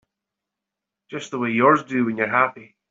Just the way yours do when you're happy.